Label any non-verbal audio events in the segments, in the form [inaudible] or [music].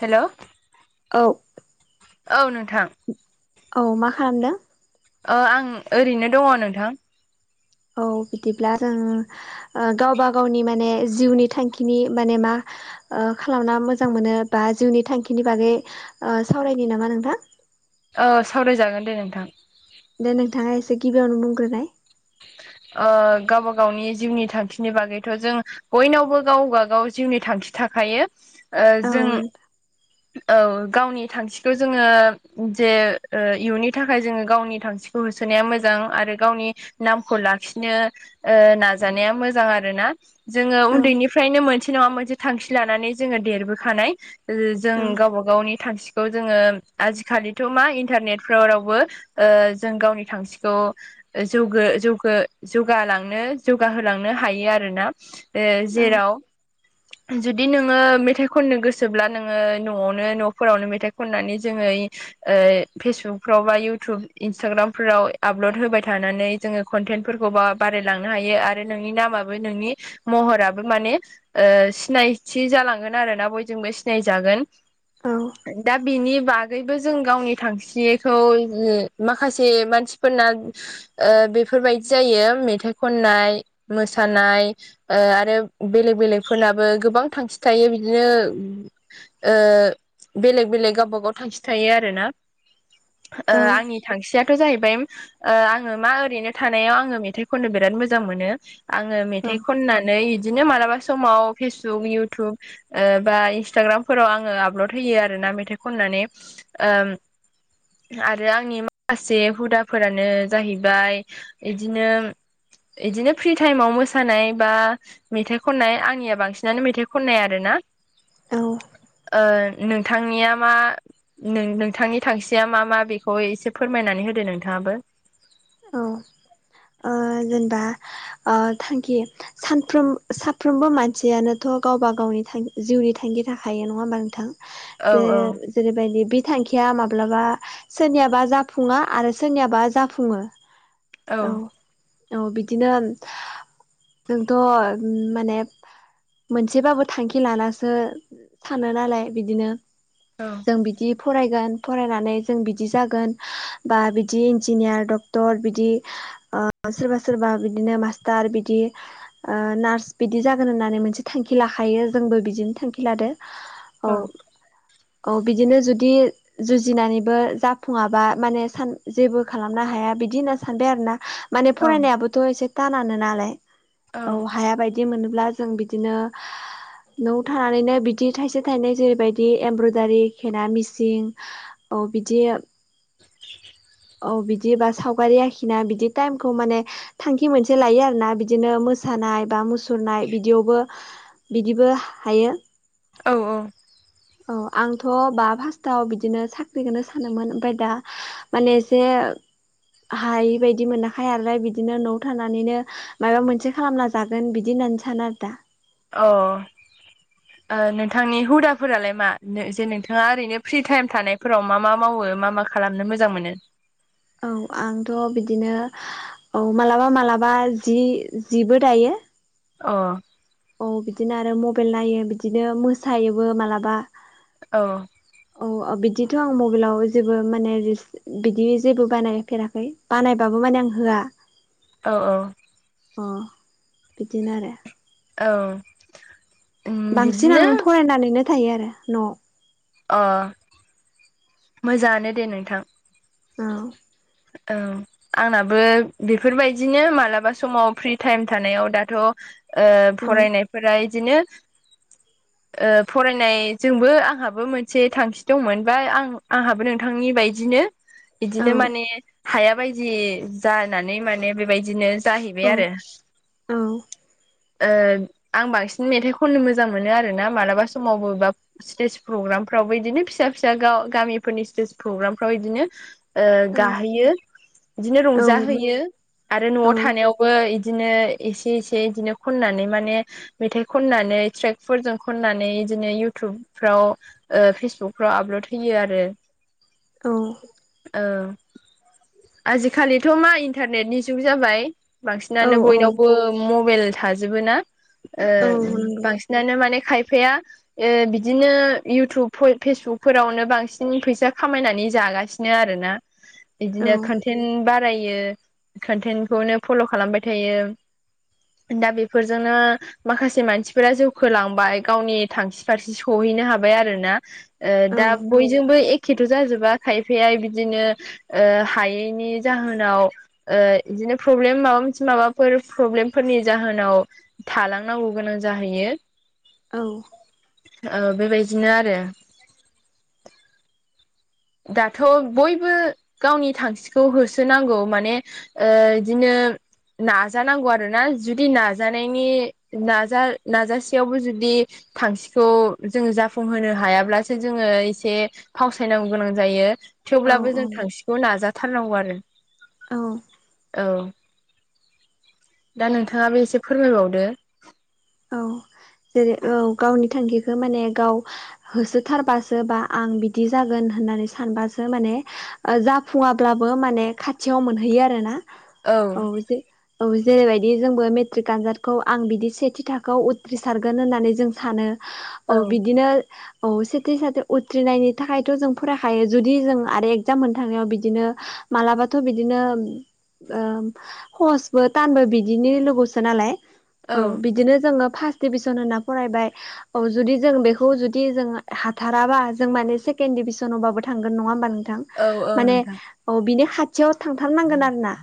हेल' औ औ नोंथां। औ मा खालामदों। ओ आं ओरैनो दङ नोंथां। औ बिदिब्ला जों ओ गावबा गावनि माने जिउनि थांखिनि माने मा ओ खालामना मोजां मोनो बा जिउनि थांखिनि बागै ओ सावरायनि नामा नोंथां? औ सावरायजागोन दे नोंथां। दे नोंथाङा एसे गिबियावनो बुंग्रोनाय? अ गावबा गावनि जिउनि थांखिनि बागैथ' जों बयनावबो गावबा गाव जिउनि थांखि थाखायो। ओ औ जों औ गावनि थांखिखौ जोङो जे ओ इयुननि थाखाय जोङो गावनि थांखिखौ होसोनाया मोजां। आरो गावनि नामखौ लाखिनो ओ नाजानाया मोजां आरो ना जोङो औ उन्दैनि फ्रायनो मोनसे नङा मोनसे थांखि लानानै जोङो देरबोखानाय। ओओजों औ गावबा गावनि थांखिखौ जोङो आजिखालिथ' मा इन्टारनेटफोराव रावबो ओ जों गावनि थांखिखौ जौगो जौगो जौगालांनो जौगाहोलांनो हायो आरो ना। ए औ जेराव [inaudible] जुदि नोङो मेथाइ खननो गोसोब्ला नोङो न'आवनो न'फोरावनो मेथाइ खननानै जोङो ओ फेसबुकफ्राव बा इउटुब इन्सटाग्रामफोराव आपलड होबाय था नानै जोङो कन्टेन्टफोरखौ बा बारायलांनो हायो। आरो नोंनि नामाबो नोंनि महराबो माने ओ सिनायथि जालांगोन आरो ना बयजोंबो सिनायजागोन। दा बिनि बा गौबो जों गावनि थांखिखौ यो माखासे मानसिफोरना ओ बेफोरबायदि जायो मेथाइ खननाय मोसानाय ओ आरो बेलेग बेलेगफोरनाबो गोबां थांखि थायो बिदिनो ओ बेलेग बेलेग गावबागाव थांखि थायो आरो ना। ओ औ आंनि थांखियाथ' जाहैबाय ओ आं ङो मा ओरैनो थानायाव आङो मेथाइ खननो बिराद मोजां मोनो। आङो औ मेथाइ खननानै इदिनो मालाबा समाव फेसबुक इउटुब ओ बा इन्सटाग्रामफोराव आङो आपलड होयो आरो ना मेथाइ खननानै ओम आरो आंनि माखासे हुदाफोरानो जाहैबाय इदिनो इदिनो फ्रि टाइमाव मोसानाय बा मेथाइ खननाय आंनिया बांसिनानो मेथाइ खननाय आरो ना। औ ओ नोंथांनिया मा नों नोंथांनि थांखिया मा मा बेखौ एसे फोरमायनानै होदो नोंथाङाबो? औ ओ जेनेबा अ थांखि सानफ्रोम साफ्रोमबो मानसियानोथ' गावबा गावनि जिउनि थांखि थाखायो नङा होमबा नोंथां? औ बे जेरैबायदि बि थांखिया माब्लाबा सोरनियाबा जाफुङा आरो सोरनियाबा जाफुङो। औ औ बिदिनो नोंथ' माने मोनसेबाबो थांखि लानसो थानो नालाय बिदिनो। औ। जों बिदि फरायगोन फरायनानै जों बिदि जागोन बा बिदि इन्जिनियार ड डक्टर बिदि ओ सोरबा सोरबा बिदिनो मास्टार बिदि ओ नार्स बिदि जागोन होननानै मोनसे थांखि लाखायो जोंबो बिदिनो थांखि लादो। औ औ बिदिनो जुदि जुजिनानैबो जाफुङाबा माने सान जेबो खालामनो हाया बि बिदि होनना सानबाय आरो ना माने फरायनायाबोथ' एसे थानानो नालाय, औ हाया बायदि बिदि मोनोब्ला जों बिदिनो न'आव थानानैनो बिदि थाइसे थाइनै जेरैबायदि एमब्रयदारि खेरा मिसिं औ बिदि औ बिदिबा सावगारि आखिना बिदि टाइमखौ माने थांखि मोनसे लायो आरोना बिदिनो मोसानाय बा मस सुरनाय बिदियावबो बिदिबो हायो। औ औ। औ आंथ' बा फास्स्टाव बिदिनो साख्रिखौनो सानोमोन ओमफ्राय दा माने एसे हायि बायदि मोनाखै आरो बिदिनो न'आव थानानैनो मायाबा मोनसे खालामना जागोन बिदि होननानै सानो आरो दा। अ [unintelligible] ओ नोंथांनि हुदाफोरालाय मा? जे नोंथाङा ओरैनो फ्रि टाइम थानायफोराव मा मा मावो मा मा खा खालामनो मोजां मोनो? औ आंथ' बिदिनो औ मालाबा मालाबा जि जिबो दायो। अ औ बिदिनो आरो मबाइल नायो बिदिनो मोसायोबो मालाबा। औ। औ औ बिदिथ' आं मबाइलाव जेबो माने रिस्क बिदि जेबो बानायफेराखै बानायबाबो माने आं होआ। औ औ। अ बिदिनो आरो। औ। उम बांसिन बिदिनो आं फरायनानैनो थायो आरो न'आव। अ मोजाङानो दे नोंथां। औ। औ। आंनाबो बेफोरबायदिनो मालाबा समाव फ्रि टाइम थानायाव दाथ' ओ फरायनायफोरा इदिनो [unintelligible] ओ फरायनायजोंबो आंहाबो मोनसे थांखि दंमोन बा आं आंहाबो नोंथांनि बायदिनो औ बिदिनो माने हाया बायदि जानानै माने बेबायदिनो औ जाहैबाय आरो। औ ओ आं बांसिन मेथाइ खननो मोजां मोनो आरो ना मालाबा समावबो बा स्टेज प्रग्रामफ्रावबो इदिनो फिसा फिसा गामिफोरनि स्टेज प्रग्रामफ्राव इदिनो ओ औ गाहोयो बिदिनो औ रंजाहैयो आरो न'आव थानायाव बो इदिनो एसे एसे इदिनो खननानै माने मेथाइ खननानै ट्रेकफोरजों खननानै बिदिनो इउटुबफ्राव ओ फेसबुकफ्राव आपलड होयो आरो। औ औ आजिखालिथ' मा इन्टारनेटनि जुग जाबाय। औ बांसिनानो औ बयनावबो मबाइल थाजोबो ना ओ औ नंगौ बांसिन नानो माने खायफाया ओ बिदिनो इउटुब फेसबुकफोरावनो बांसिन फैसा खामायनानै जागासिनो आरो ना। [unintelligible] बिदिनो कन्टेन्ट बारायो कन्टेन्टखौनो फल' खालामबाय थायो। दा बेफोरजोंनो माखासे मानसिफोरा जौखोलांबाय गावनि थांखि फारसे सहैनो हाबाय आरोना। ओ औ दा बयजोंबो एखेथ' जाजोबा खायफाया बिदिनो ओ हायैनि जाहोनाव ओ बिदिनो प्रब्लेम माबा मोनसे माबाफोर प्रब्लेम फोरनि जाहोनाव थालांनांगौ गोनां जाहैयो। औ ओ बेबायदिनो आरो। [unintelligible] दाथ' बयबो गावनि थांखिखौ होसोनांगौ माने ओ इदिनो नाजानांगौ आरो। आरो ना जुदि नाजानायनि नाजा- नाजासेयावबो जुदि थांखिखौ जोङो जाफुंहोनो हायाब्लासो जोङो एसे फावसायनांगौ गोनां जायो औ थेवब्लाबो जों औ थांखिखौ नाजाथारनांगौ आरो। औ औ दा नोंथाङाबो एसे फोरमायबावदो। औ जेरै औ गावनि थांखिखौ माने गाव होसोथारबासो बा आं बिदि जागोन होननानै सानबासो माने ओ जाफुङाब्लाबो माने खाथियाव मोनहैयो आरो ना। औ जे औ जेरैबायदि जोंबो मेट्रिक आनजादखौ आं बिदि सेथि थाखोआव उथ्रिसारगोन होननानै जों सानो औ बिदिनो औ सेथि साथि उथ्रिनायनि थाखायथ' जों फरायखायो जुदि जों आरो एगजाम मोनो थांनायाव बिदिनो मालाबाथ' बिदिनो सहसबो थानबो बिदिनि लोगोसो नालाय औ बिदिनो जोङो फार्स्ट डभिजन होनना फरायबाय औ जुदि जों बेखौ जुदि जों हाथाराबा जों माने सेकेण्ड डभिसनावबाबो थांगोन नङा होमबा नोंथां। औ औ माने नोंथां औ बिनि खाथियाव थांथारनांगोन आरो ना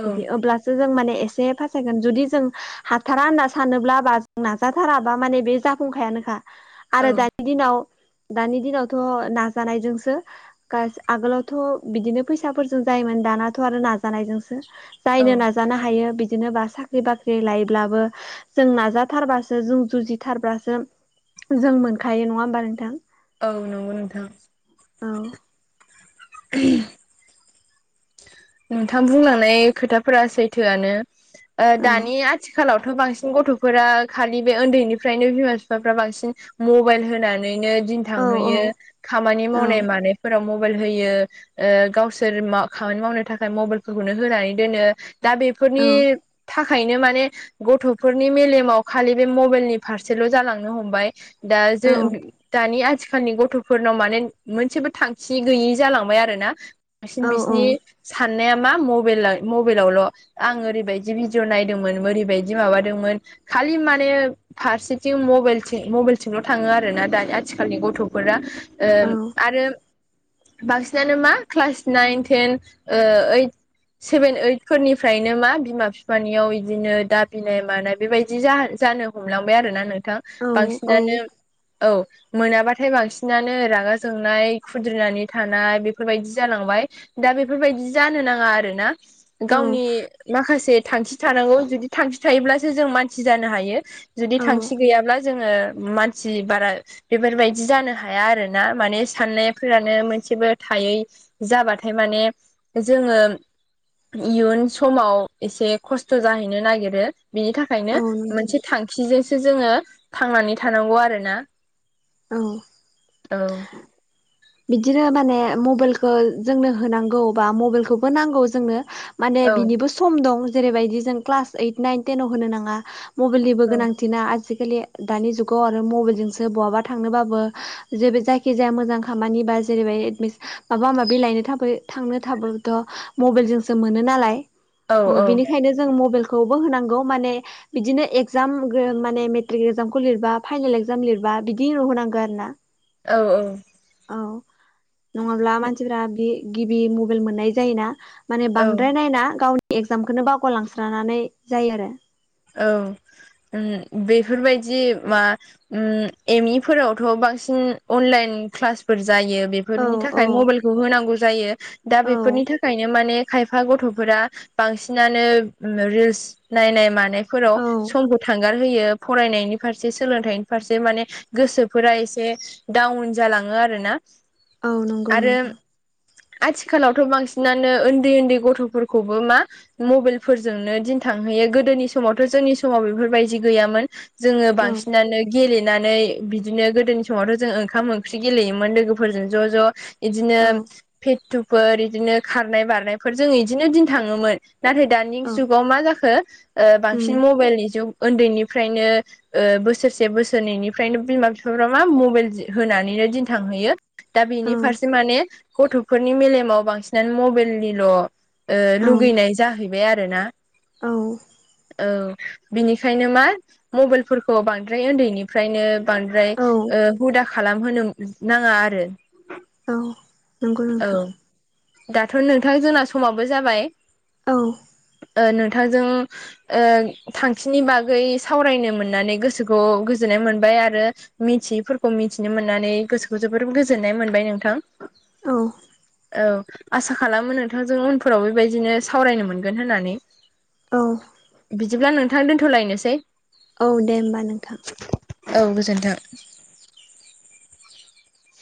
औ बिदि अब्ला सो जों माने एसे पास जागोन जुदि जों हाथारा होनना सानोब्ला बा जों नाजाथाराबा माने बे जाफुंखायानोखा औ आरो दानि दिनाव दानि दिनावथ' नाजानायजोंसो गास- आगोलावथ' बिदिनो फैसाफोरजों जायोमोन दानाथ' आरो नाजानायजोंसो औ जायनो नाजानो हायो बिदिनो बा साख्रि बाख्रि लायोब्लाबो जों नाजाथारबासो जों जुजिथारबासो जों मोनखायो नङा होमबा नोंथां। औ नंगौ नोंथां औ नोंथां बुंलांनाय खोथाफोरा सैथोआनो ओ औ दानि आ थिखालावथ' बांसिन गथ'फोरा खालि बे उन्दैनिफ्रायनो बिमा बिफाफ्रा बांसिन मबाइल होनानैनो दिन औ थांहैयो खामानि औ मावनाय मानायफोराव म बाइल होयो ओ गावसोर खामानि मावनो थाखाय मबाइलखौनो होनानै दोनो। दा औ बेफोरनि थाखा यनो माने गथ'फोरनि मेलेमाव खालि बे मबाइलनि फारसेल' जालांनो हमबाय। दा जों औ दानि आज आथिखालनि गथ'फोरनाव माने मोनसेबो थांखि गैयि जालांबाय आरो ना बांसिन औ बिसिनि साननाया मा मब मबाइलावल' आं ओरैबायदि भिडिअ नायदोंमोन ओरैबायदि माबादोंमोन खालि माने फारसेथिं मबेलथिं मबेइलथिंल' थाङो आर ना दा आथिखालनि गथ'फोरा ओ औ आरो बांसिनानो मा क्लास नाइन टेन ओ ओइद सेभेन ओइटफोरनिफ्रायनो मा बिमा बिफानियाव बिदिनो दाबिनाय मानाय बेबायदि जा-जानो हमलांबाय आरोना नोंथां। बांसिनानो औ मोनाब्लाथाय बांसिनानो रागा जोंनाय खुद्रिनानै थानाय बेफोरबायदि जालांबाय दा बेफोरबायदि जानो नाङा आरो ना औ गावनि माखासे थांखि थानांगौ जुदि थांखि थायोब्लासो जों मानसि जानो हायो जुदि औ थांखि गैयाब्ला जोङो मानसि बारा बेफोरबायदि जानो हाया आरो ना माने साननायफोरानो मोनसेबो थायै जाबाथाय माने जोङो इयुन समाव एसे खस्थ' जाहैनो नागिरो बिनि थाख थाखायनो औ नोंथां मोनसे थांखिजोंसो जोङो थांनानै थानांगौ आरो ना औ। औ। बिदिनो माने मबाइलखौ जोंनो होनांगौ बा मबाइलखौबो नांगौ जोंनो। माने औ बिनिबो सम दं जेरैबायदि जों क्लास ओइट नाइन टेनाव होनो नाङा। मबाइलनिबो गोनांथिना आजिखालि दानि जुगाव आरो मबाइलजोंसो बहाबा थांनोबाबो जेबो जायखिजाया मोजां खामानि बा जेरैबाय एदमिस माबा माबि लायनो थाब थांनो थाबोथ' मबाइेलजोंसो मोनो नालाय औ बिनिखायनो जों मबाइेलखौबो होनांगौ माने बिदिनो एगजाम माने मेट्रिक इगजामखौ लिरबा फाइनेल एगजाम लिरबा बिदि नुहोनांगौ आरो ना औ औ। औ नङाब्ला मानसिफ्रा बे गिबि मबाइल मोननाय जायोना। माने औ बांद्राय नायना गावनि एगजामखौनो बावगारलांस्रनानै जायो आरो औ बेफोरबायदि मा ओम एम इ फोरावथ' बांसिन अनलाइन क्लास जायो औ बेफोरनि औ थाखाय मबाइलखौ होनांगौ जायो दा औ बेफोरनि थाखायनो मा मे खायफा गथ'फोरा बांसिनानो रिल्स नायनाय मानाय बेफोराव औ समखौ थांगार होयो फरायनायनि फारसे सोलोंथाइनि फारसे माने गोसोफोरा एसे डाउन जालाङो आरो ना औ नंगौ आरो नोंथां आथिखालावथ' बांसिनानो उन्दै उन्दै गथ'फोरखौबो मा मबाइलफोरजोंनो दिन थांहैयो गोदोनि स समावथ' जोंनि समाव बेफोरबायदि गैयामोन जोङो औ बांसिनानो गेलेनानै बिदिनो गोदोनि समावथ' जों ओंखाम ओंख्रि गेलेयोमोन लोगोफोरजों ज' ज' इदिनो औ फेटुफोर बिदिनो खारनाय बारनायफोर जों इदिनो दिन थाङोमोन। नाथाय दानि औ जुगाव मा जाखो ओ बांसिन उम मबाइलनि जुग उन्दैनिफ्रायनो बोसोरसे बोसोरनैनिफ्रायनो बिमा बिफाफ्रा मा मबाइल होनानैनो दिन थांहैयो। दा औ बेनि फारसे माने गथ'फोरनि मेलेमाव बांसिनानो मबाइलनिल' औ लुगैनाय जाहैबाय आरो ना औ। औ बिनिखायनो मा मबाइलफोरखौ बांद्राय उन्दैनि मफ्रायनो बांद्राय औ हुदा खालामहोनो नाङा आरो औ नंगौ औ नोंथां। दाथ' नोंथां जोंना समाबो जाबाय‌। औ। ओ नोंथां जों। ओ थांखिनि बागै सावरायनो मोननानै गोसोखौ गोजोननाय मोनबाय आरो मिथियैफोरखौ मिथिनो मोननानै गोसोखौ जोबोर गोजोननाय मोनबाय नोंथां। औ औ आसा खालामो नोंथांजों उनफोराव बेबायदिनो सावरायनो मोनगोन होननानै। औ बिदिब्ला नोंथां दोन्थ'लायनोसै। औ दे होमबा नोंथां। औ गोजोन्थों।